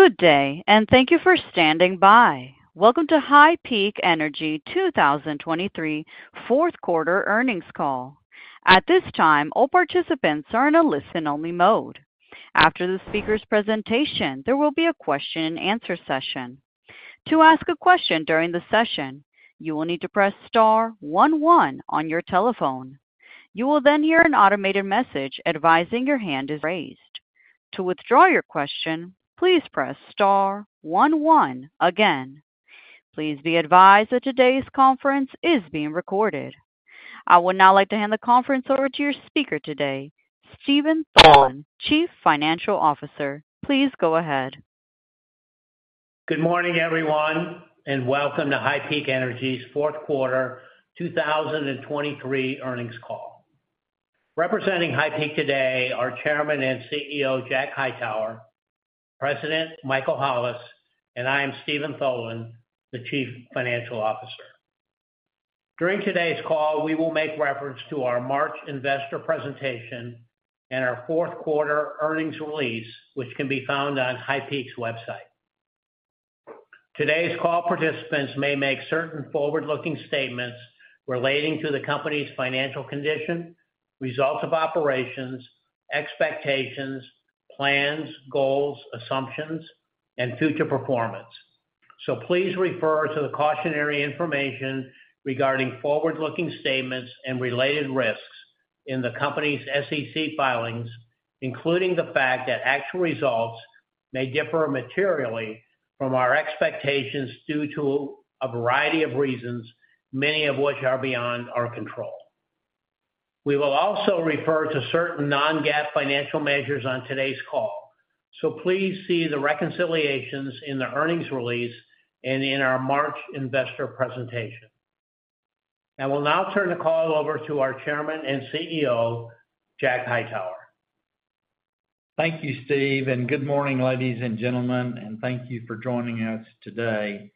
Good day, and thank you for standing by. Welcome to HighPeak Energy 2023 Fourth Quarter Earnings Call. At this time, all participants are in a listen-only mode. After the speaker's presentation, there will be a question-and-answer session. To ask a question during the session, you will need to press star 11 on your telephone. You will then hear an automated message advising your hand is raised. To withdraw your question, please press star 11 again. Please be advised that today's conference is being recorded. I would now like to hand the conference over to your speaker today, Steven Tholen, Chief Financial Officer. Please go ahead. Good morning, everyone, and welcome to HighPeak Energy's Fourth Quarter 2023 Earnings Call. Representing HighPeak today are Chairman and CEO Jack Hightower, President Michael Hollis, and I am Steven Tholen, the Chief Financial Officer. During today's call, we will make reference to our March investor presentation and our fourth quarter earnings release, which can be found on HighPeak's website. Today's call participants may make certain forward-looking statements relating to the company's financial condition, results of operations, expectations, plans, goals, assumptions, and future performance. So please refer to the cautionary information regarding forward-looking statements and related risks in the company's SEC filings, including the fact that actual results may differ materially from our expectations due to a variety of reasons, many of which are beyond our control. We will also refer to certain non-GAAP financial measures on today's call, so please see the reconciliations in the earnings release and in our March investor presentation. I will now turn the call over to our Chairman and CEO, Jack Hightower. Thank you, Steve, and good morning, ladies and gentlemen, and thank you for joining us today.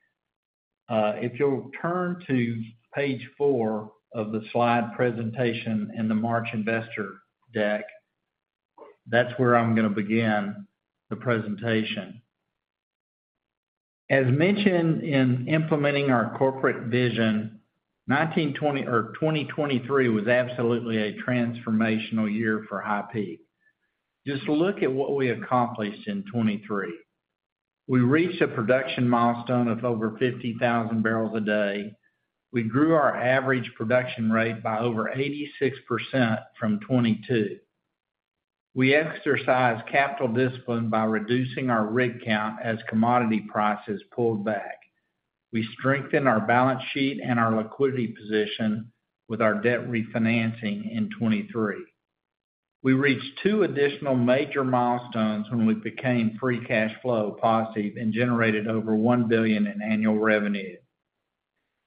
If you'll turn to page 4 of the slide presentation in the March investor deck, that's where I'm going to begin the presentation. As mentioned in implementing our corporate vision, 2023 was absolutely a transformational year for HighPeak. Just look at what we accomplished in 2023. We reached a production milestone of over 50,000 barrels a day. We grew our average production rate by over 86% from 2022. We exercised capital discipline by reducing our rig count as commodity prices pulled back. We strengthened our balance sheet and our liquidity position with our debt refinancing in 2023. We reached two additional major milestones when we became free cash flow positive and generated over $1 billion in annual revenue.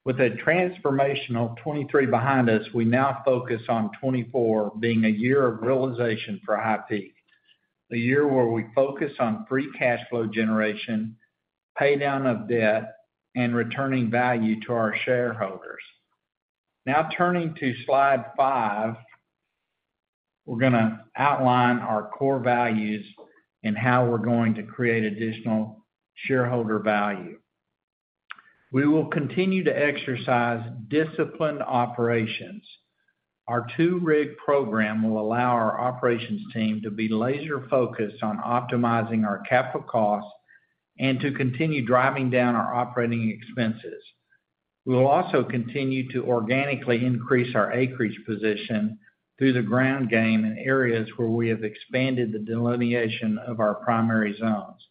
With a transformational 2023 behind us, we now focus on 2024 being a year of realization for HighPeak, a year where we focus on free cash flow generation, paydown of debt, and returning value to our shareholders. Now turning to slide 5, we're going to outline our core values and how we're going to create additional shareholder value. We will continue to exercise disciplined operations. Our two-rig program will allow our operations team to be laser-focused on optimizing our capital costs and to continue driving down our operating expenses. We will also continue to organically increase our acreage position through the ground game in areas where we have expanded the delineation of our primary zones.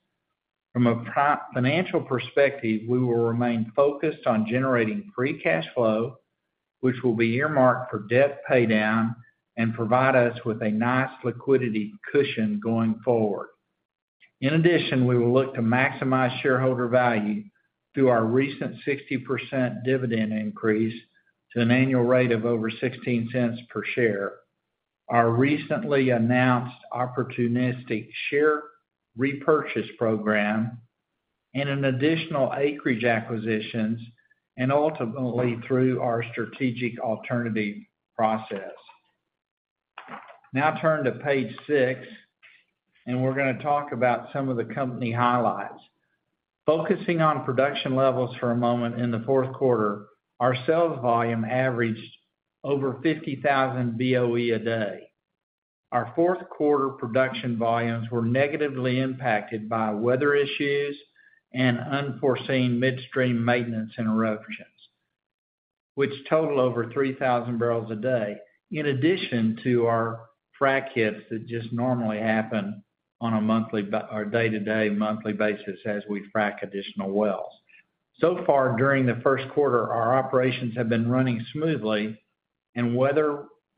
From a financial perspective, we will remain focused on generating free cash flow, which will be earmarked for debt paydown and provide us with a nice liquidity cushion going forward. In addition, we will look to maximize shareholder value through our recent 60% dividend increase to an annual rate of over $0.16 per share, our recently announced opportunistic share repurchase program, and in additional acreage acquisitions and ultimately through our strategic alternative process. Now turn to page 6, and we're going to talk about some of the company highlights. Focusing on production levels for a moment in the fourth quarter, our sales volume averaged over 50,000 BOE a day. Our fourth quarter production volumes were negatively impacted by weather issues and unforeseen midstream maintenance interruptions, which totaled over 3,000 barrels a day, in addition to our frac hits that just normally happen on a monthly or day-to-day monthly basis as we frac additional wells. So far during the first quarter, our operations have been running smoothly, and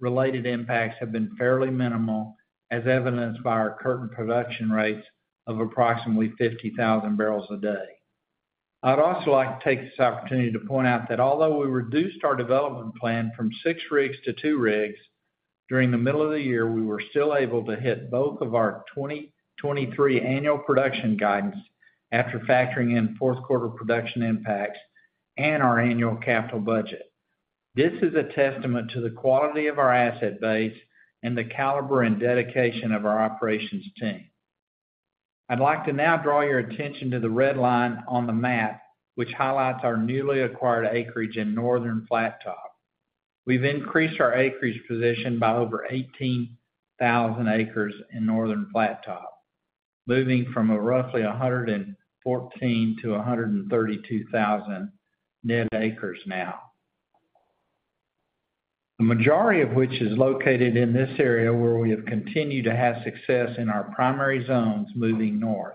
weather-related impacts have been fairly minimal, as evidenced by our current production rates of approximately 50,000 barrels a day. I'd also like to take this opportunity to point out that although we reduced our development plan from six rigs to two rigs during the middle of the year, we were still able to hit both of our 2023 annual production guidance after factoring in fourth quarter production impacts and our annual capital budget. This is a testament to the quality of our asset base and the caliber and dedication of our operations team. I'd like to now draw your attention to the red line on the map, which highlights our newly acquired acreage in Northern Flat Top. We've increased our acreage position by over 18,000 acres in Northern Flat Top, moving from roughly 114,000 to 132,000 net acres now, the majority of which is located in this area where we have continued to have success in our primary zones moving north.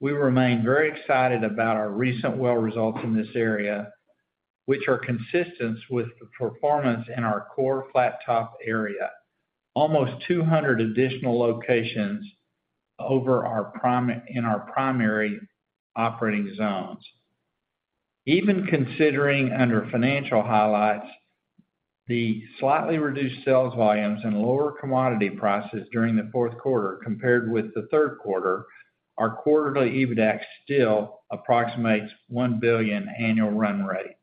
We remain very excited about our recent well results in this area, which are consistent with the performance in our core Flat Top area, almost 200 additional locations over our primary operating zones. Even considering under financial highlights, the slightly reduced sales volumes and lower commodity prices during the fourth quarter compared with the third quarter, our quarterly EBITDA still approximates $1 billion annual run-rate.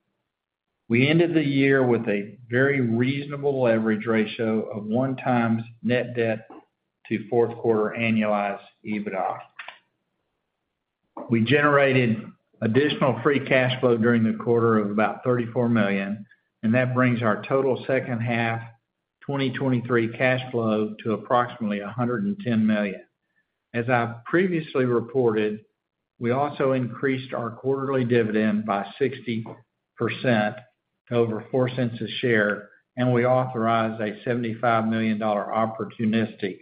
We ended the year with a very reasonable leverage ratio of 1x net debt to fourth quarter annualized EBITDA. We generated additional free cash flow during the quarter of about $34 million, and that brings our total second-half 2023 cash flow to approximately $110 million. As I previously reported, we also increased our quarterly dividend by 60% to over $0.04 a share, and we authorized a $75 million opportunistic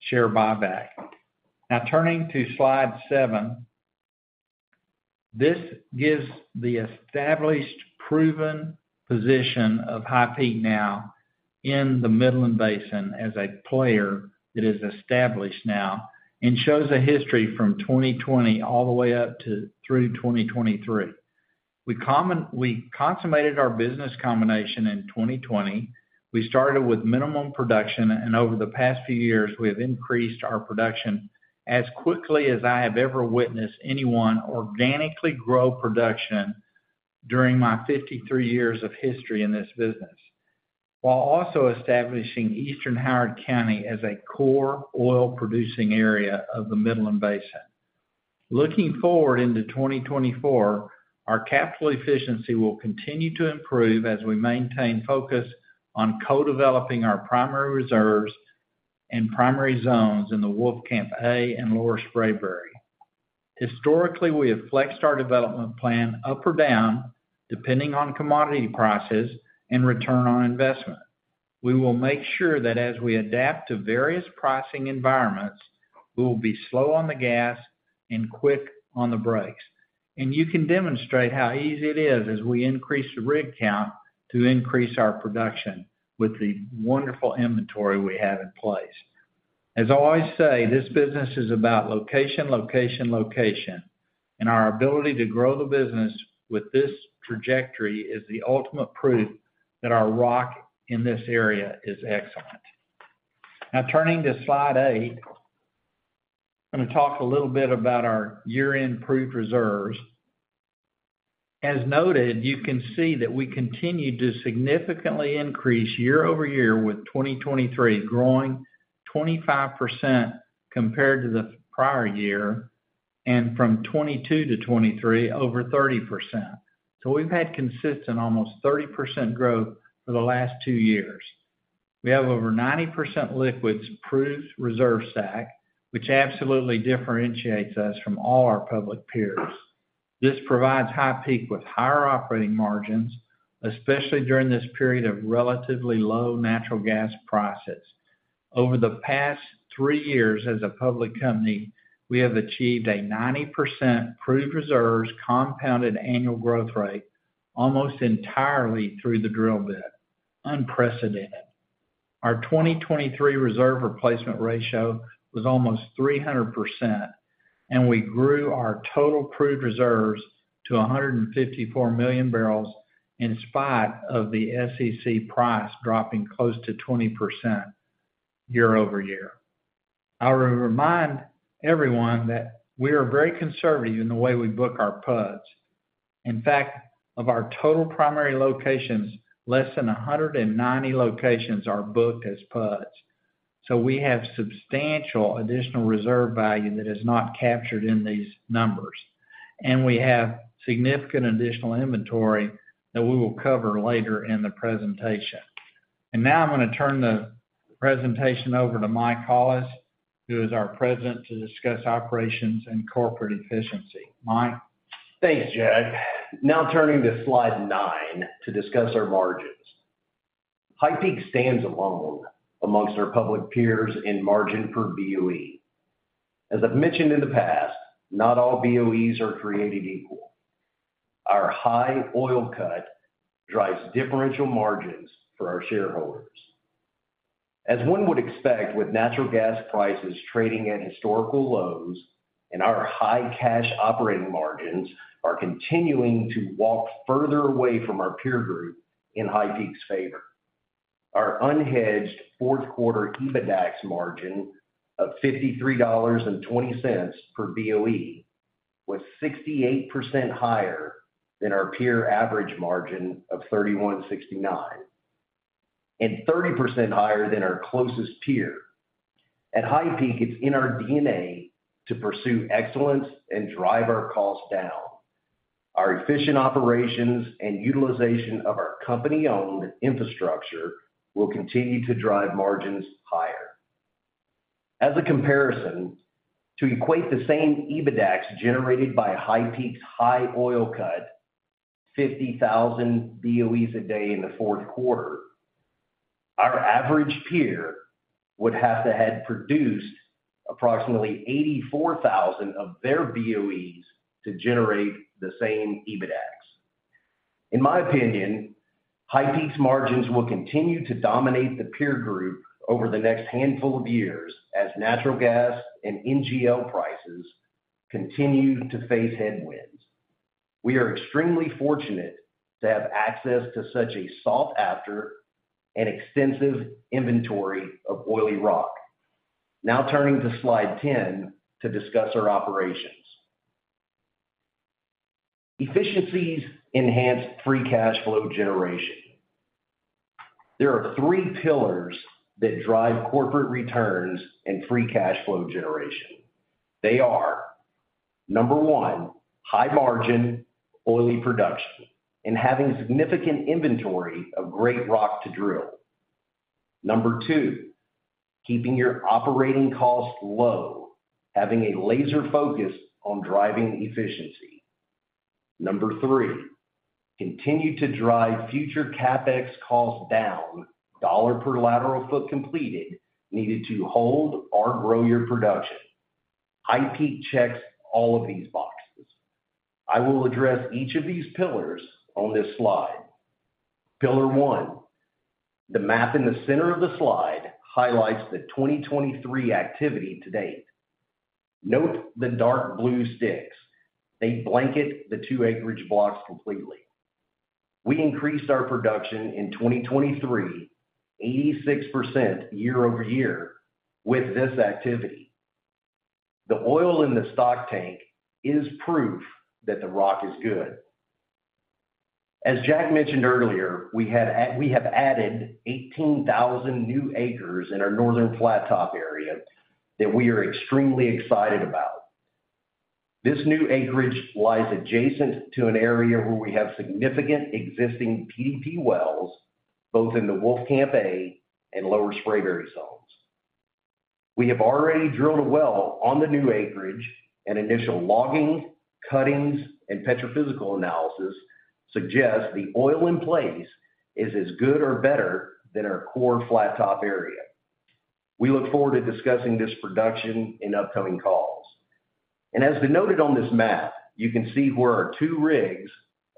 share buyback. Now turning to slide 7, this gives the established proven position of HighPeak now in the Midland Basin as a player that is established now and shows a history from 2020 all the way up through 2023. We consummated our business combination in 2020. We started with minimum production, and over the past few years, we have increased our production as quickly as I have ever witnessed anyone organically grow production during my 53 years of history in this business while also establishing Eastern Howard County as a core oil-producing area of the Midland Basin. Looking forward into 2024, our capital efficiency will continue to improve as we maintain focus on co-developing our primary reserves and primary zones in the Wolfcamp A and Lower Spraberry. Historically, we have flexed our development plan up or down depending on commodity prices and return on investment. We will make sure that as we adapt to various pricing environments, we will be slow on the gas and quick on the brakes. And you can demonstrate how easy it is as we increase the rig count to increase our production with the wonderful inventory we have in place. As I always say, this business is about location, location, location, and our ability to grow the business with this trajectory is the ultimate proof that our rock in this area is excellent. Now turning to slide 8, I'm going to talk a little bit about our year-end proved reserves. As noted, you can see that we continue to significantly increase year-over-year with 2023 growing 25% compared to the prior year and from 2022 to 2023 over 30%. So we've had consistent almost 30% growth for the last two years. We have over 90% liquids proved reserve stack, which absolutely differentiates us from all our public peers. This provides HighPeak with higher operating margins, especially during this period of relatively low natural gas prices. Over the past three years as a public company, we have achieved a 90% proved reserves compounded annual growth rate almost entirely through the drill bit, unprecedented. Our 2023 reserve replacement ratio was almost 300%, and we grew our total proved reserves to 154 million barrels in spite of the SEC price dropping close to 20% year-over-year. I will remind everyone that we are very conservative in the way we book our PUDs. In fact, of our total primary locations, less than 190 locations are booked as PUDs. So we have substantial additional reserve value that is not captured in these numbers, and we have significant additional inventory that we will cover later in the presentation. And now I'm going to turn the presentation over to Mike Hollis, who is our President, to discuss operations and corporate efficiency. Mike. Thanks, Jack. Now turning to slide 9 to discuss our margins. HighPeak stands alone among our public peers in margin per BOE. As I've mentioned in the past, not all BOEs are created equal. Our high oil cut drives differential margins for our shareholders. As one would expect with natural gas prices trading at historical lows and our high cash operating margins are continuing to walk further away from our peer group in HighPeak's favor. Our unhedged fourth quarter EBITDA margin of $53.20 per BOE was 68% higher than our peer average margin of 31.69 and 30% higher than our closest peer. At HighPeak, it's in our DNA to pursue excellence and drive our costs down. Our efficient operations and utilization of our company-owned infrastructure will continue to drive margins higher. As a comparison, to equate the same EBITDA generated by HighPeak's high oil cut, 50,000 BOEs a day in the fourth quarter, our average peer would have to have produced approximately 84,000 of their BOEs to generate the same EBITDA. In my opinion, HighPeak's margins will continue to dominate the peer group over the next handful of years as natural gas and NGL prices continue to face headwinds. We are extremely fortunate to have access to such a sought-after and extensive inventory of oily rock. Now turning to slide 10 to discuss our operations. Efficiencies enhance free cash flow generation. There are three pillars that drive corporate returns and free cash flow generation. They are, number one, high margin oily production and having significant inventory of great rock to drill. Number two, keeping your operating costs low, having a laser focus on driving efficiency. Number three, continue to drive future CapEx costs down, $ per lateral foot completed, needed to hold or grow your production. HighPeak checks all of these boxes. I will address each of these pillars on this slide. Pillar one, the map in the center of the slide highlights the 2023 activity to date. Note the dark blue sticks. They blanket the two acreage blocks completely. We increased our production in 2023 86% year-over-year with this activity. The oil in the stock tank is proof that the rock is good. As Jack mentioned earlier, we have added 18,000 new acres in our Northern Flat Top area that we are extremely excited about. This new acreage lies adjacent to an area where we have significant existing PDP wells, both in the Wolfcamp A and Lower Spraberry zones. We have already drilled a well on the new acreage, and initial logging, cuttings, and petrophysical analysis suggest the oil in place is as good or better than our core Flat Top area. We look forward to discussing this production in upcoming calls. As noted on this map, you can see where our two rigs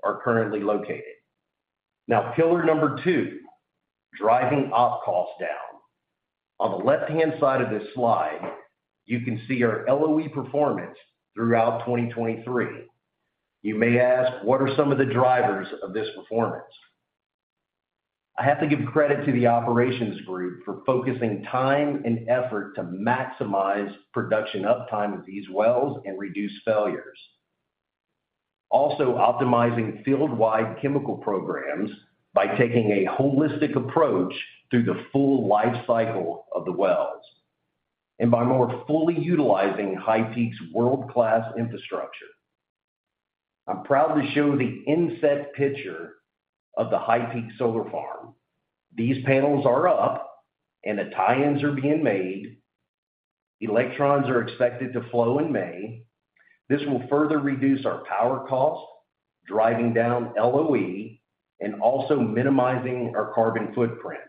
are currently located. Now, pillar number two, driving op costs down. On the left-hand side of this slide, you can see our LOE performance throughout 2023. You may ask, what are some of the drivers of this performance? I have to give credit to the operations group for focusing time and effort to maximize production uptime of these wells and reduce failures, also optimizing field-wide chemical programs by taking a holistic approach through the full life cycle of the wells and by more fully utilizing HighPeak's world-class infrastructure. I'm proud to show the inset picture of the HighPeak solar farm. These panels are up, and the tie-ins are being made. Electrons are expected to flow in May. This will further reduce our power cost, driving down LOE, and also minimizing our carbon footprint.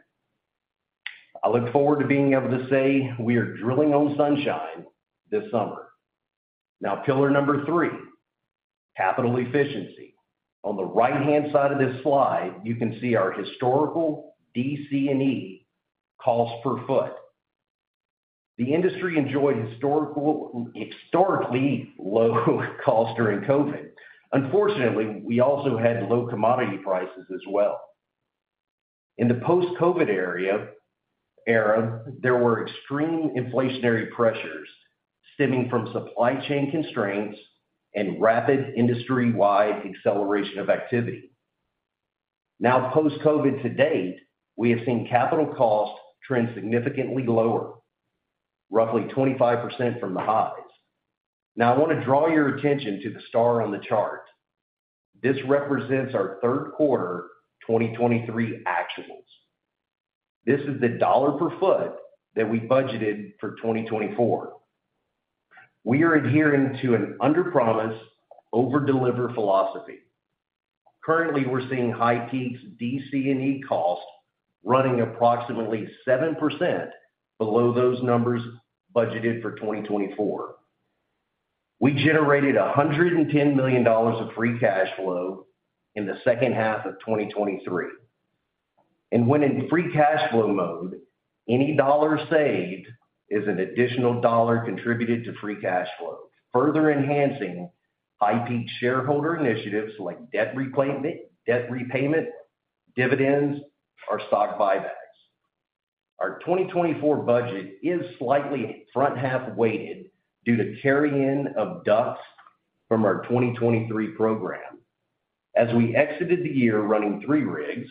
I look forward to being able to say we are drilling on sunshine this summer. Now, pillar number three, capital efficiency. On the right-hand side of this slide, you can see our historical DC&E cost per foot. The industry enjoyed historically low costs during COVID. Unfortunately, we also had low commodity prices as well. In the post-COVID era, there were extreme inflationary pressures stemming from supply chain constraints and rapid industry-wide acceleration of activity. Now, post-COVID to date, we have seen capital cost trend significantly lower, roughly 25% from the highs. Now, I want to draw your attention to the star on the chart. This represents our third quarter 2023 actuals. This is the dollar per foot that we budgeted for 2024. We are adhering to an under-promise, over-deliver philosophy. Currently, we're seeing HighPeak's DC&E cost running approximately 7% below those numbers budgeted for 2024. We generated $110 million of free cash flow in the second half of 2023. When in free cash flow mode, any dollar saved is an additional dollar contributed to free cash flow, further enhancing HighPeak shareholder initiatives like debt repayment, dividends, or stock buybacks. Our 2024 budget is slightly front-half weighted due to carry-in of DUCs from our 2023 program. As we exited the year running three rigs,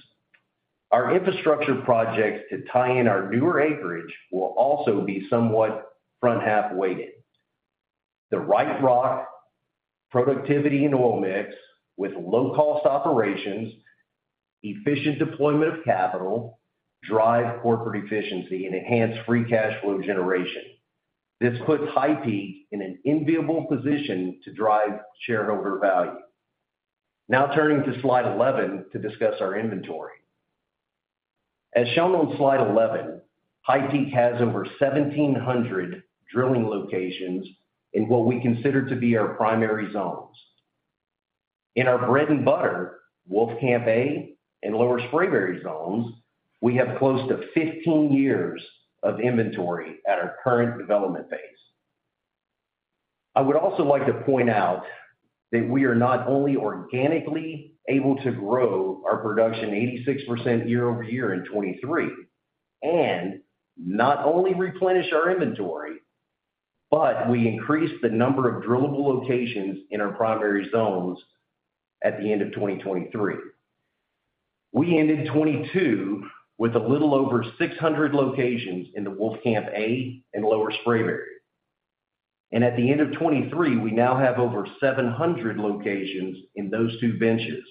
our infrastructure projects to tie-in our newer acreage will also be somewhat front-half weighted. The right rock, productivity and oil mix with low-cost operations, efficient deployment of capital drive corporate efficiency and enhance free cash flow generation. This puts HighPeak in an enviable position to drive shareholder value. Now turning to slide 11 to discuss our inventory. As shown on slide 11, HighPeak has over 1,700 drilling locations in what we consider to be our primary zones. In our bread and butter, Wolfcamp A and Lower Spraberry zones, we have close to 15 years of inventory at our current development phase. I would also like to point out that we are not only organically able to grow our production 86% year-over-year in 2023 and not only replenish our inventory, but we increased the number of drillable locations in our primary zones at the end of 2023. We ended 2022 with a little over 600 locations in the Wolfcamp A and Lower Spraberry. And at the end of 2023, we now have over 700 locations in those two benches,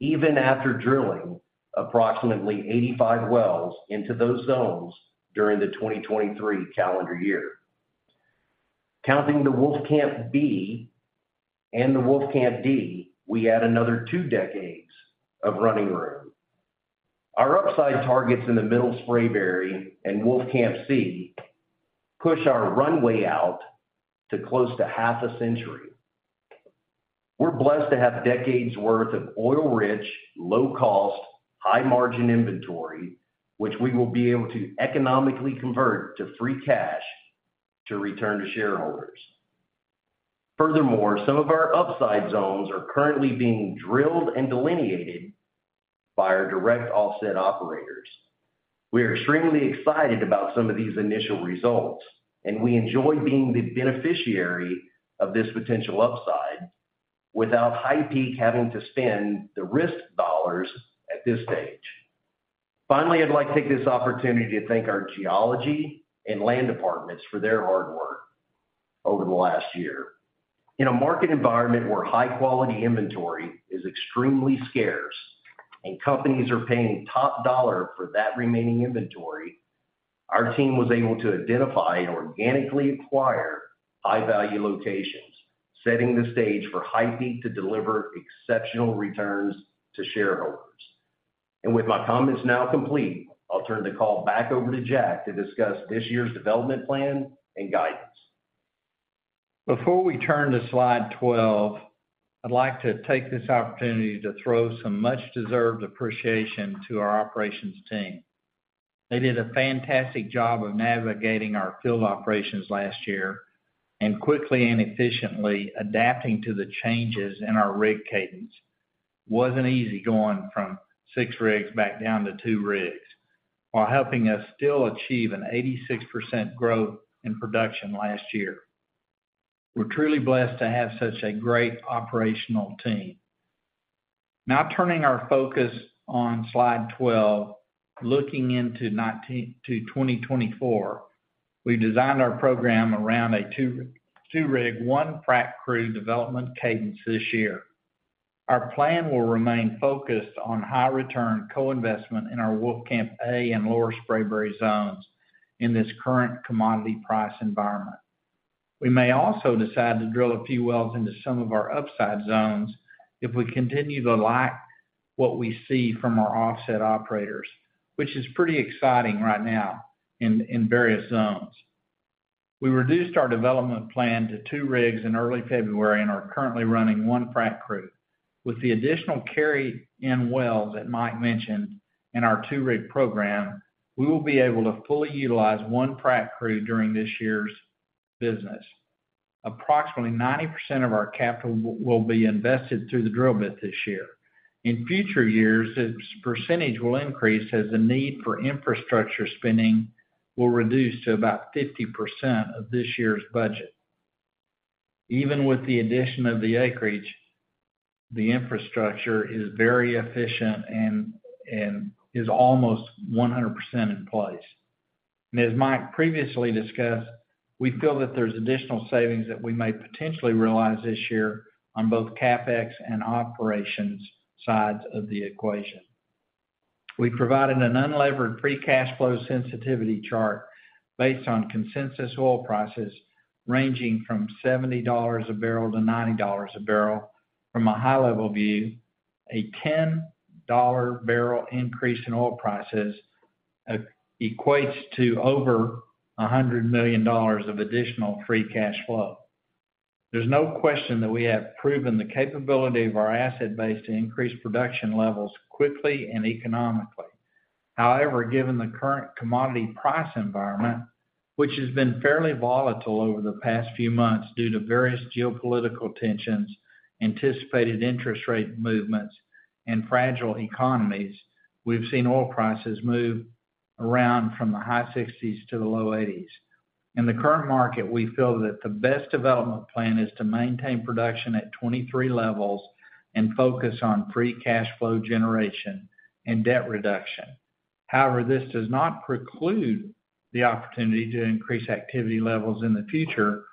even after drilling approximately 85 wells into those zones during the 2023 calendar year. Counting the Wolfcamp B and the Wolfcamp D, we add another 2 decades of running room. Our upside targets in the Middle Spraberry and Wolfcamp C push our runway out to close to half a century. We're blessed to have decades' worth of oil-rich, low-cost, high-margin inventory, which we will be able to economically convert to free cash to return to shareholders. Furthermore, some of our upside zones are currently being drilled and delineated by our direct offset operators. We are extremely excited about some of these initial results, and we enjoy being the beneficiary of this potential upside without HighPeak having to spend the risk dollars at this stage. Finally, I'd like to take this opportunity to thank our geology and land departments for their hard work over the last year. In a market environment where high-quality inventory is extremely scarce and companies are paying top dollar for that remaining inventory, our team was able to identify and organically acquire high-value locations, setting the stage for HighPeak to deliver exceptional returns to shareholders. With my comments now complete, I'll turn the call back over to Jack to discuss this year's development plan and guidance. Before we turn to slide 12, I'd like to take this opportunity to throw some much-deserved appreciation to our operations team. They did a fantastic job of navigating our field operations last year and quickly and efficiently adapting to the changes in our rig cadence. Wasn't easy going from 6 rigs back down to 2 rigs while helping us still achieve an 86% growth in production last year. We're truly blessed to have such a great operational team. Now turning our focus on slide 12, looking into 2024, we've designed our program around a 2-rig, 1-frac crew development cadence this year. Our plan will remain focused on high-return co-investment in our Wolfcamp A and Lower Spraberry zones in this current commodity price environment. We may also decide to drill a few wells into some of our upside zones if we continue to like what we see from our offset operators, which is pretty exciting right now in various zones. We reduced our development plan to 2 rigs in early February and are currently running one frac crew. With the additional carry-in wells that Mike mentioned in our two-rig program, we will be able to fully utilize one frac crew during this year's business. Approximately 90% of our capital will be invested through the drill bit this year. In future years, this percentage will increase as the need for infrastructure spending will reduce to about 50% of this year's budget. Even with the addition of the acreage, the infrastructure is very efficient and is almost 100% in place. As Mike previously discussed, we feel that there's additional savings that we may potentially realize this year on both CapEx and operations sides of the equation. We provided an unlevered free cash flow sensitivity chart based on consensus oil prices ranging from $70-$90 a barrel. From a high-level view, a $10 barrel increase in oil prices equates to over $100 million of additional free cash flow. There's no question that we have proven the capability of our asset base to increase production levels quickly and economically. However, given the current commodity price environment, which has been fairly volatile over the past few months due to various geopolitical tensions, anticipated interest rate movements, and fragile economies, we've seen oil prices move around from the high 60s to the low 80s. In the current market, we feel that the best development plan is to maintain production at 23 levels and focus on free cash flow generation and debt reduction. However, this does not preclude the opportunity to increase activity levels in the future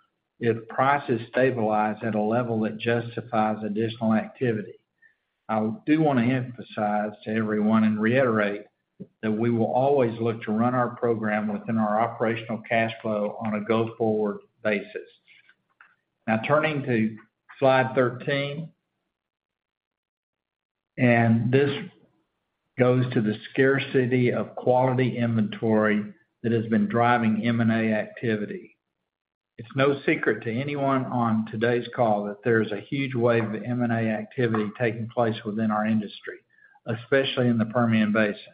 if prices stabilize at a level that justifies additional activity. I do want to emphasize to everyone and reiterate that we will always look to run our program within our operational cash flow on a go-forward basis. Now turning to slide 13. This goes to the scarcity of quality inventory that has been driving M&A activity. It's no secret to anyone on today's call that there's a huge wave of M&A activity taking place within our industry, especially in the Permian Basin.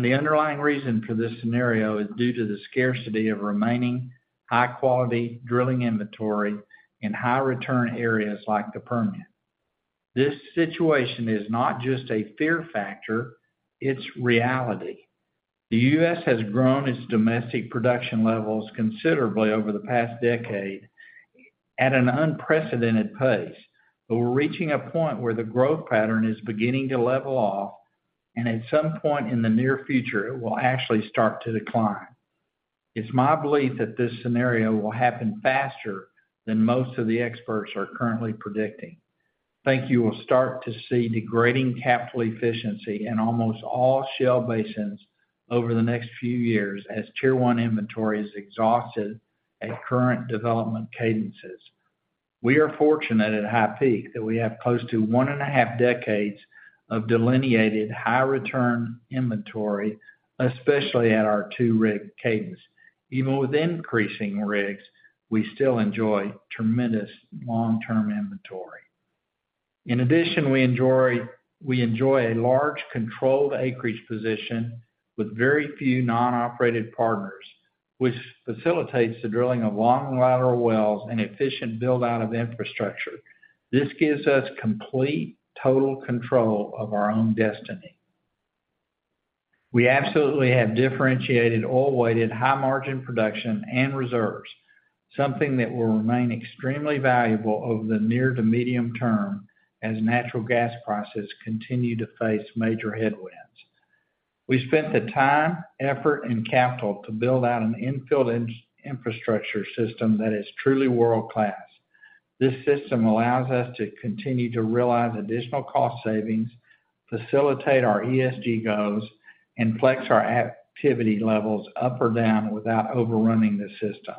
The underlying reason for this scenario is due to the scarcity of remaining high-quality drilling inventory in high-return areas like the Permian. This situation is not just a fear factor. It's reality. The U.S. has grown its domestic production levels considerably over the past decade at an unprecedented pace. But we're reaching a point where the growth pattern is beginning to level off, and at some point in the near future, it will actually start to decline. It's my belief that this scenario will happen faster than most of the experts are currently predicting. Thank you. We'll start to see degrading capital efficiency in almost all shale basins over the next few years as Tier 1 inventory is exhausted at current development cadences. We are fortunate at HighPeak that we have close to 1.5 decades of delineated high-return inventory, especially at our two-rig cadence. Even with increasing rigs, we still enjoy tremendous long-term inventory. In addition, we enjoy a large controlled acreage position with very few non-operated partners, which facilitates the drilling of long lateral wells and efficient buildout of infrastructure. This gives us complete total control of our own destiny. We absolutely have differentiated oil-weighted high-margin production and reserves, something that will remain extremely valuable over the near to medium term as natural gas prices continue to face major headwinds. We spent the time, effort, and capital to build out an infilled infrastructure system that is truly world-class. This system allows us to continue to realize additional cost savings, facilitate our ESG goals, and flex our activity levels up or down without overrunning the system.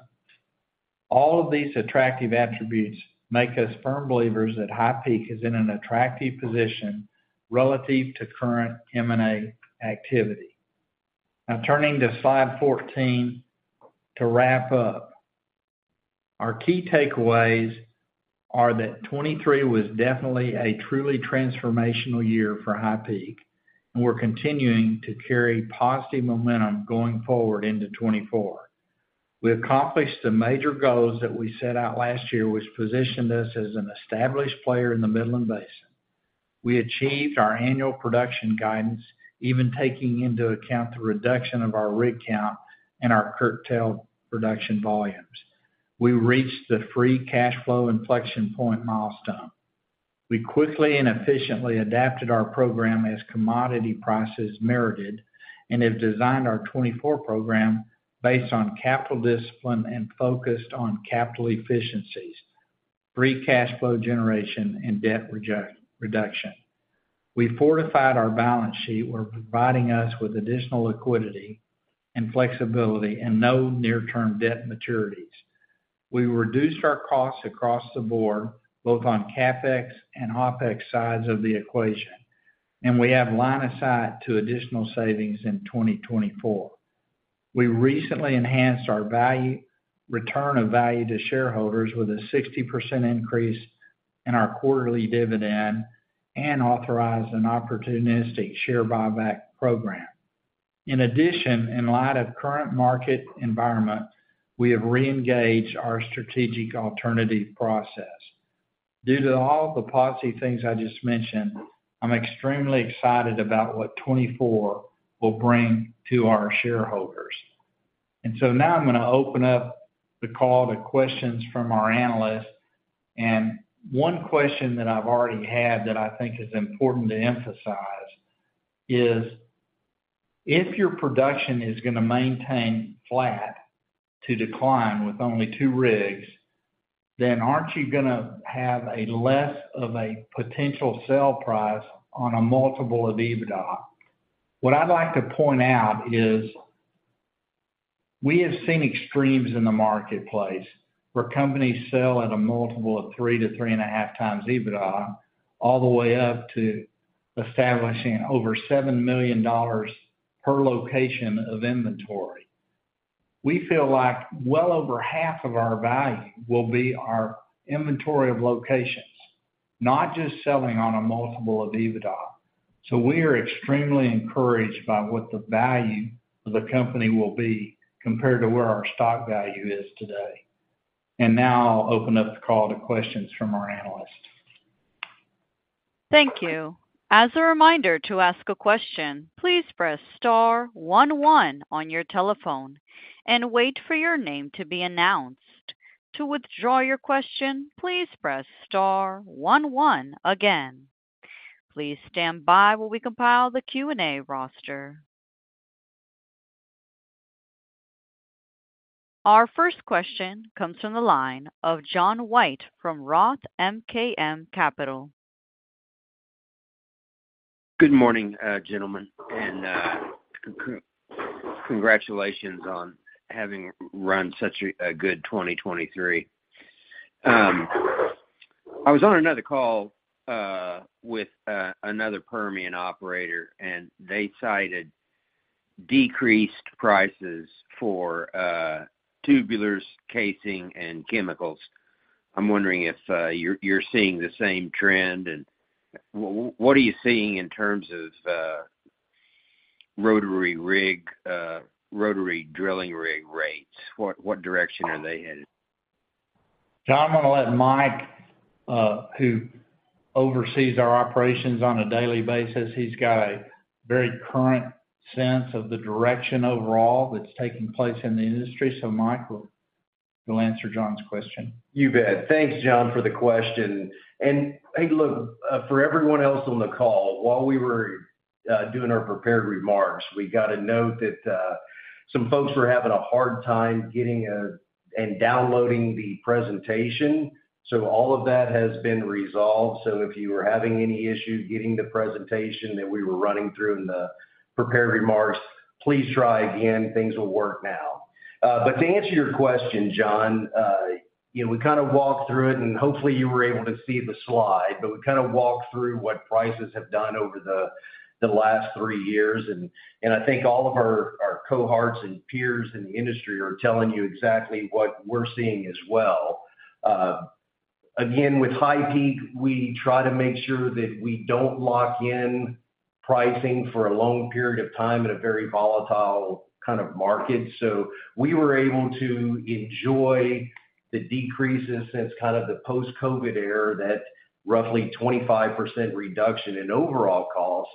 All of these attractive attributes make us firm believers that HighPeak is in an attractive position relative to current M&A activity. Now turning to slide 14 to wrap up. Our key takeaways are that 2023 was definitely a truly transformational year for HighPeak, and we're continuing to carry positive momentum going forward into 2024. We accomplished the major goals that we set out last year, which positioned us as an established player in the Midland Basin. We achieved our annual production guidance, even taking into account the reduction of our rig count and our curtailed production volumes. We reached the free cash flow inflection point milestone. We quickly and efficiently adapted our program as commodity prices merited and have designed our 2024 program based on capital discipline and focused on capital efficiencies, free cash flow generation, and debt reduction. We fortified our balance sheet, which is providing us with additional liquidity and flexibility and no near-term debt maturities. We reduced our costs across the board, both on CapEx and OpEx sides of the equation, and we have line of sight to additional savings in 2024. We recently enhanced our return of value to shareholders with a 60% increase in our quarterly dividend and authorized an opportunistic share buyback program. In addition, in light of the current market environment, we have reengaged our strategic alternative process. Due to all the positive things I just mentioned, I'm extremely excited about what 2024 will bring to our shareholders. So now I'm going to open up the call to questions from our analysts. One question that I've already had that I think is important to emphasize is, if your production is going to maintain flat to decline with only two rigs, then aren't you going to have a less of a potential sell price on a multiple of EBITDA? What I'd like to point out is, we have seen extremes in the marketplace where companies sell at a multiple of 3-3.5x EBITDA all the way up to establishing over $7 million per location of inventory. We feel like well over half of our value will be our inventory of locations, not just selling on a multiple of EBITDA. So we are extremely encouraged by what the value of the company will be compared to where our stock value is today. And now I'll open up the call to questions from our analysts. Thank you. As a reminder to ask a question, please press star one one on your telephone and wait for your name to be announced. To withdraw your question, please press star one one again. Please stand by while we compile the Q&A roster. Our first question comes from the line of John White from Roth MKM. Good morning, gentlemen, and congratulations on having run such a good 2023. I was on another call with another Permian operator, and they cited decreased prices for tubulars, casing, and chemicals. I'm wondering if you're seeing the same trend. What are you seeing in terms of rotary drilling rig rates? What direction are they headed? John, I'm going to let Mike, who oversees our operations on a daily basis, he's got a very current sense of the direction overall that's taking place in the industry. So, Mike, you'll answer John's question. You bet. Thanks, John, for the question. And hey, look, for everyone else on the call, while we were doing our prepared remarks, we got to note that some folks were having a hard time getting and downloading the presentation. So all of that has been resolved. So if you were having any issue getting the presentation that we were running through in the prepared remarks, please try again. Things will work now. But to answer your question, John, we kind of walked through it, and hopefully you were able to see the slide. But we kind of walked through what prices have done over the last 3 years. And I think all of our cohorts and peers in the industry are telling you exactly what we're seeing as well. Again, with HighPeak, we try to make sure that we don't lock in pricing for a long period of time in a very volatile kind of market. So we were able to enjoy the decreases since kind of the post-COVID era that roughly 25% reduction in overall cost.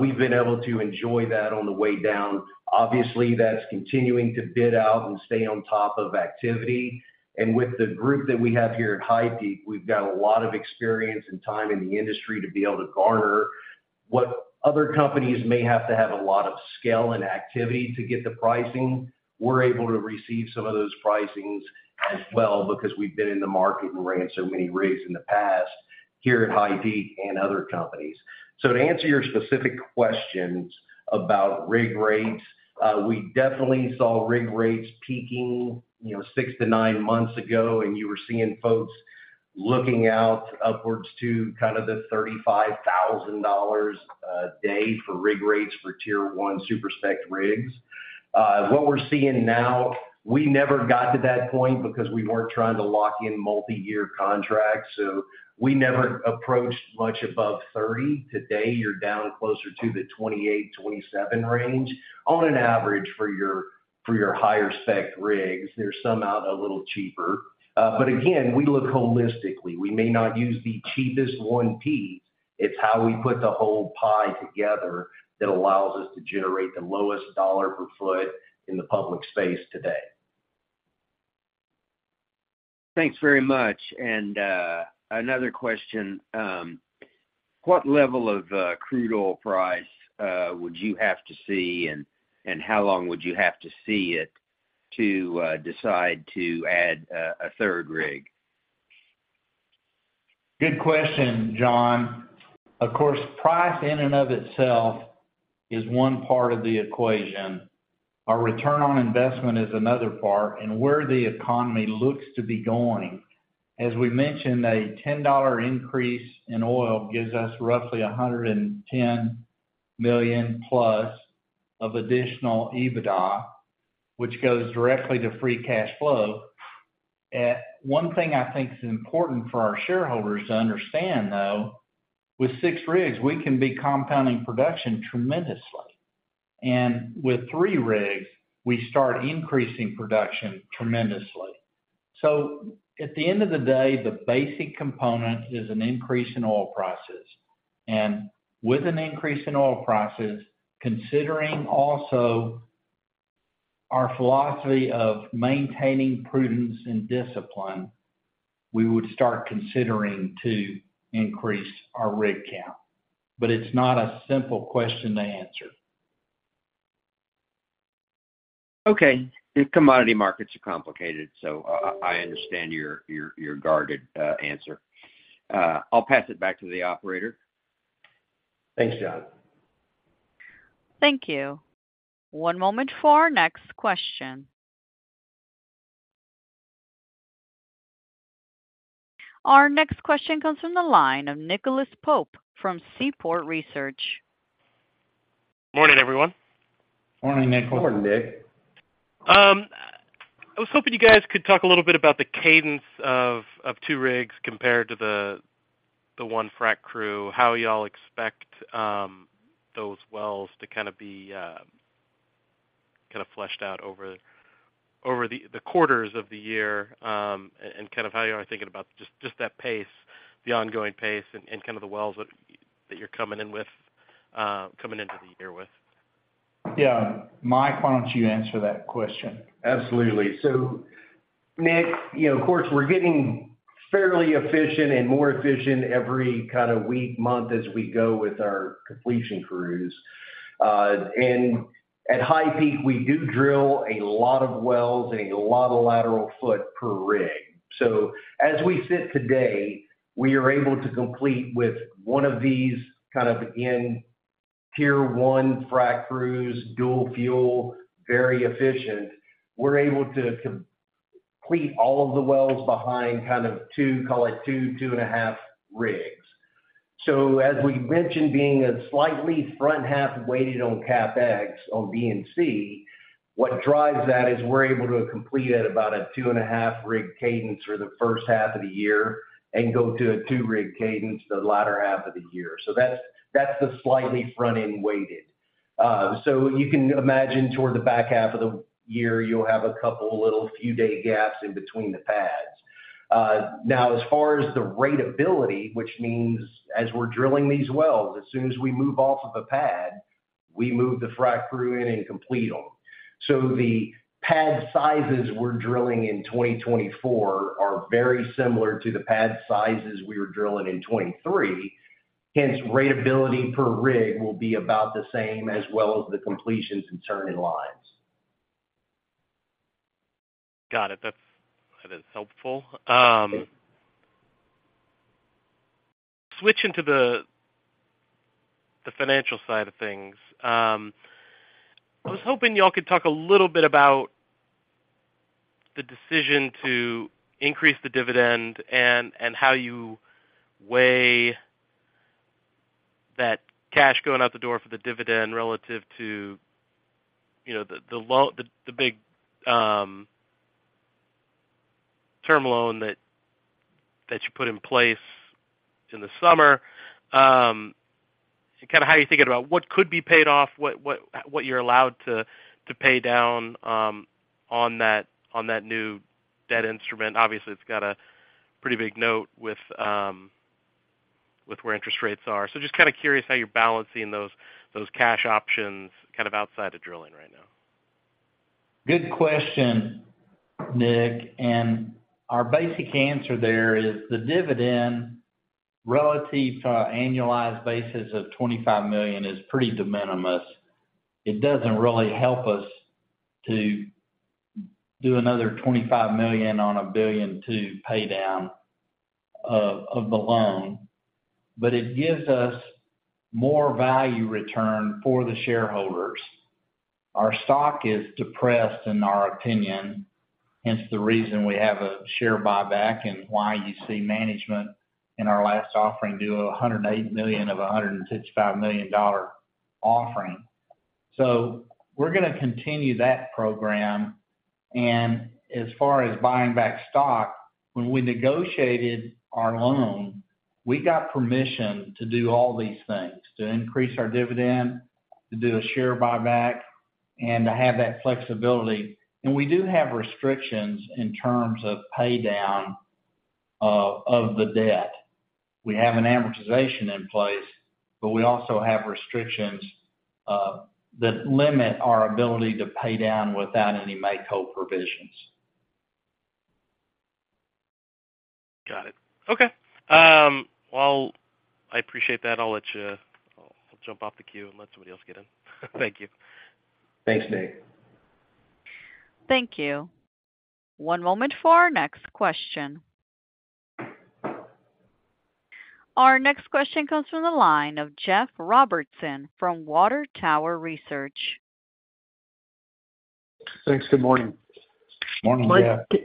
We've been able to enjoy that on the way down. Obviously, that's continuing to bid out and stay on top of activity. And with the group that we have here at HighPeak, we've got a lot of experience and time in the industry to be able to garner what other companies may have to have a lot of scale and activity to get the pricing. We're able to receive some of those pricings as well because we've been in the market and ran so many rigs in the past here at HighPeak and other companies. So to answer your specific questions about rig rates, we definitely saw rig rates peaking 6-9 months ago, and you were seeing folks looking out upwards to kind of the $35,000 a day for rig rates for Tier 1 super spec rigs. What we're seeing now, we never got to that point because we weren't trying to lock in multi-year contracts. So we never approached much above $30,000. Today, you're down closer to the $28,000-$27,000 range on average for your higher spec rigs. There's some out a little cheaper. But again, we look holistically. We may not use the cheapest one piece. It's how we put the whole pie together that allows us to generate the lowest dollar per foot in the public space today. Thanks very much. Another question. What level of crude oil price would you have to see, and how long would you have to see it to decide to add a third rig? Good question, John. Of course, price in and of itself is one part of the equation. Our return on investment is another part, and where the economy looks to be going. As we mentioned, a $10 increase in oil gives us roughly $110 million plus of additional EBITDA, which goes directly to free cash flow. One thing I think is important for our shareholders to understand, though, with 6 rigs, we can be compounding production tremendously. And with 3 rigs, we start increasing production tremendously. So at the end of the day, the basic component is an increase in oil prices. And with an increase in oil prices, considering also our philosophy of maintaining prudence and discipline, we would start considering to increase our rig count. But it's not a simple question to answer. Okay. Commodity markets are complicated, so I understand your guarded answer. I'll pass it back to the operator. Thanks, John. Thank you. One moment for our next question. Our next question comes from the line of Nicholas Pope from Seaport Research. Morning, everyone. Morning, Nicholas. Morning, Nick. I was hoping you guys could talk a little bit about the cadence of two rigs compared to the one frac crew, how y'all expect those wells to kind of be kind of fleshed out over the quarters of the year, and kind of how y'all are thinking about just that pace, the ongoing pace, and kind of the wells that you're coming into the year with? Yeah. Mike, why don't you answer that question? Absolutely. So, Nick, of course, we're getting fairly efficient and more efficient every kind of week, month as we go with our completion crews. And at HighPeak, we do drill a lot of wells and a lot of lateral foot per rig. So as we sit today, we are able to complete with one of these kind of, again, Tier 1 frac crews, dual fuel, very efficient, we're able to complete all of the wells behind kind of 2, call it 2, 2.5 rigs. So as we mentioned, being a slightly front half weighted on CapEx on D&C, what drives that is we're able to complete at about a 2.5 rig cadence for the first half of the year and go to a 2 rig cadence the latter half of the year. So that's the slightly front end weighted. So you can imagine toward the back half of the year, you'll have a couple little few-day gaps in between the pads. Now, as far as the rateability, which means as we're drilling these wells, as soon as we move off of a pad, we move the frac crew in and complete them. So the pad sizes we're drilling in 2024 are very similar to the pad sizes we were drilling in 2023. Hence, rateability per rig will be about the same as well as the completions and turn-in lines. Got it. That is helpful. Switching to the financial side of things, I was hoping y'all could talk a little bit about the decision to increase the dividend and how you weigh that cash going out the door for the dividend relative to the big term loan that you put in place in the summer, and kind of how you think about what could be paid off, what you're allowed to pay down on that new debt instrument. Obviously, it's got a pretty big note with where interest rates are. So just kind of curious how you're balancing those cash options kind of outside of drilling right now? Good question, Nick. Our basic answer there is the dividend relative to annualized basis of $25 million is pretty de minimis. It doesn't really help us to do another $25 million on $1 billion to pay down of the loan. But it gives us more value return for the shareholders. Our stock is depressed, in our opinion. Hence, the reason we have a share buyback and why you see management in our last offering do $108 million of a $165 million offering. So we're going to continue that program. And as far as buying back stock, when we negotiated our loan, we got permission to do all these things, to increase our dividend, to do a share buyback, and to have that flexibility. And we do have restrictions in terms of paydown of the debt. We have an amortization in place, but we also have restrictions that limit our ability to pay down without any make-whole call provisions. Got it. Okay. Well, I appreciate that. I'll jump off the queue and let somebody else get in. Thank you. Thanks, Nick. Thank you. One moment for our next question. Our next question comes from the line of Jeff Robertson from Water Tower Research. Thanks. Good morning. Morning, yeah.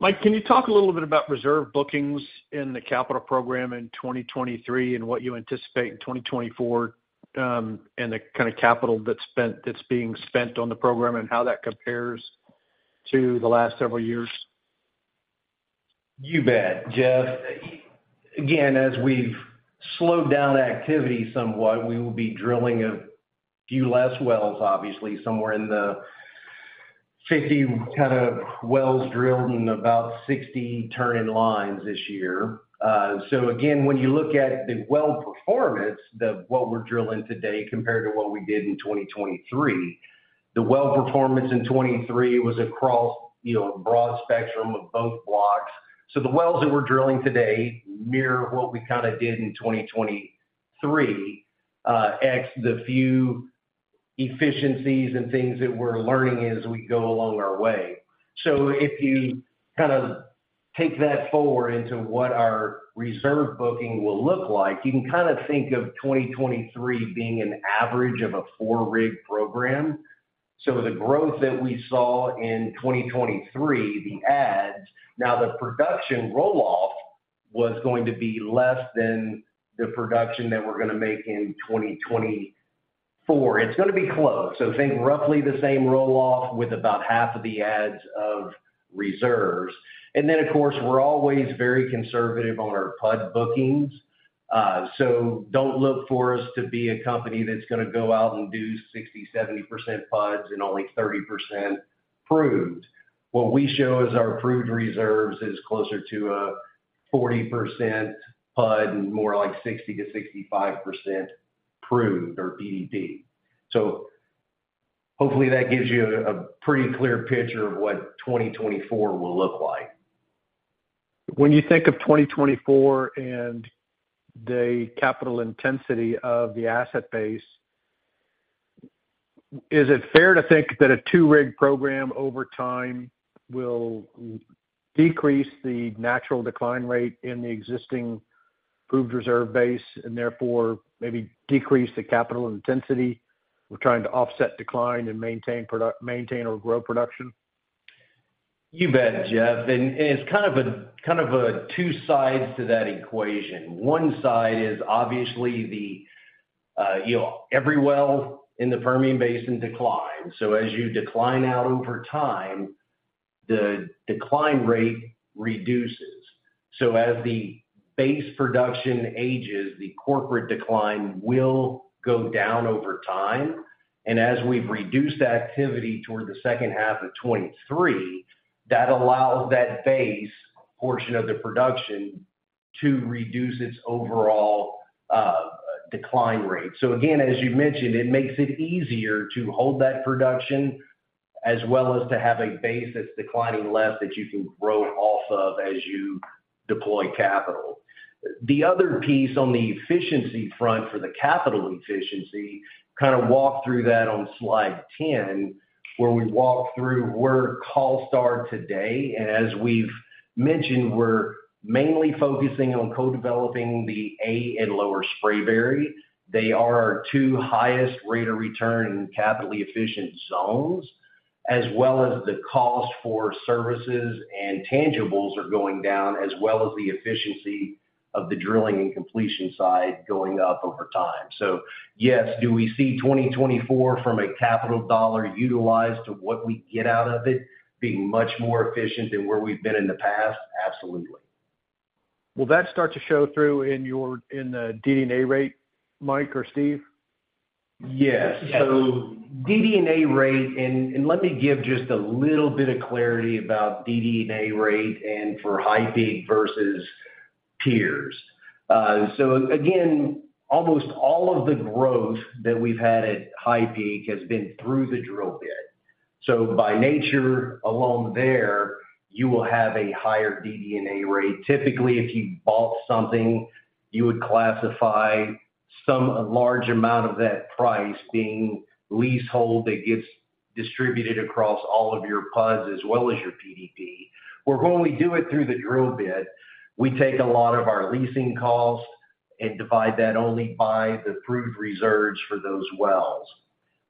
Mike, can you talk a little bit about reserve bookings in the capital program in 2023 and what you anticipate in 2024 and the kind of capital that's being spent on the program and how that compares to the last several years? You bet, Jeff. Again, as we've slowed down activity somewhat, we will be drilling a few less wells, obviously, somewhere in the 50 kind of wells drilled and about 60 turn-in lines this year. So again, when you look at the well performance, what we're drilling today compared to what we did in 2023, the well performance in 2023 was across a broad spectrum of both blocks. So the wells that we're drilling today mirror what we kind of did in 2023, ex the few efficiencies and things that we're learning as we go along our way. So if you kind of take that forward into what our reserve booking will look like, you can kind of think of 2023 being an average of a four-rig program. So the growth that we saw in 2023, the adds, now the production rolloff was going to be less than the production that we're going to make in 2024. It's going to be close. So think roughly the same rolloff with about half of the adds of reserves. And then, of course, we're always very conservative on our PUD bookings. So don't look for us to be a company that's going to go out and do 60%-70% PUDs and only 30% proved. What we show as our proved reserves is closer to a 40% PUD and more like 60%-65% proved or PDP. So hopefully, that gives you a pretty clear picture of what 2024 will look like. When you think of 2024 and the capital intensity of the asset base, is it fair to think that a two-rig program over time will decrease the natural decline rate in the existing approved reserve base and therefore maybe decrease the capital intensity? We're trying to offset decline and maintain or grow production? You bet, Jeff. And it's kind of a two sides to that equation. One side is obviously every well in the Permian Basin declines. So as you decline out over time, the decline rate reduces. So as the base production ages, the corporate decline will go down over time. And as we've reduced activity toward the second half of 2023, that allows that base portion of the production to reduce its overall decline rate. So again, as you mentioned, it makes it easier to hold that production as well as to have a base that's declining less that you can grow off of as you deploy capital. The other piece on the efficiency front for the capital efficiency, kind of walk through that on slide 10 where we walk through where CalStar today. And as we've mentioned, we're mainly focusing on co-developing the A and Lower Spraberry. They are our two highest rate of return in capital efficient zones, as well as the cost for services and tangibles are going down, as well as the efficiency of the drilling and completion side going up over time. So yes, do we see 2024 from a capital dollar utilized to what we get out of it being much more efficient than where we've been in the past? Absolutely. Well, that starts to show through in the DD&A rate, Mike or Steve? Yes. So DD&A rate, and let me give just a little bit of clarity about DD&A rate and for HighPeak versus peers. So again, almost all of the growth that we've had at HighPeak has been through the drill bit. So by nature alone there, you will have a higher DD&A rate. Typically, if you bought something, you would classify some large amount of that price being leasehold that gets distributed across all of your PUDs as well as your PDP. When we do it through the drill bit, we take a lot of our leasing cost and divide that only by the approved reserves for those wells.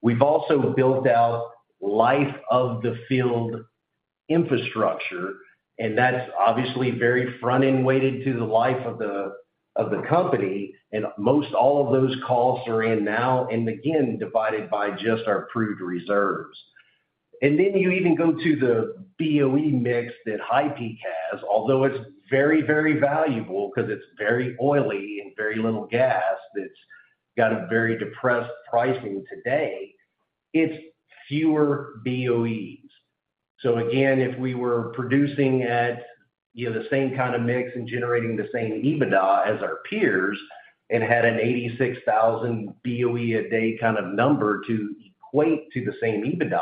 We've also built out life of the field infrastructure, and that's obviously very front end weighted to the life of the company. And most all of those costs are in now and again divided by just our approved reserves. And then you even go to the BOE mix that HighPeak has, although it's very, very valuable because it's very oily and very little gas that's got a very depressed pricing today, it's fewer BOEs. So again, if we were producing at the same kind of mix and generating the same EBITDA as our peers and had an 86,000 BOE a day kind of number to equate to the same EBITDA,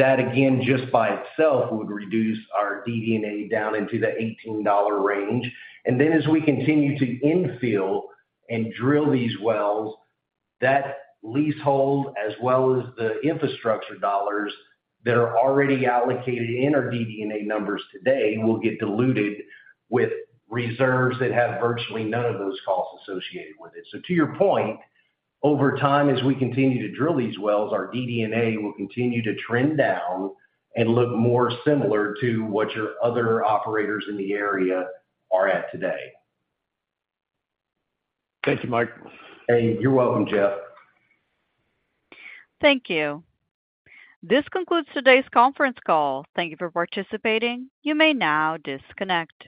that again, just by itself, would reduce our DD&A down into the $18 range. And then as we continue to infill and drill these wells, that leasehold as well as the infrastructure dollars that are already allocated in our DD&A numbers today will get diluted with reserves that have virtually none of those costs associated with it. So to your point, over time, as we continue to drill these wells, our DD&A will continue to trend down and look more similar to what your other operators in the area are at today. Thank you, Mike. Hey, you're welcome, Jeff. Thank you. This concludes today's conference call. Thank you for participating. You may now disconnect.